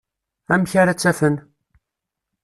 Amek ara tt-afen?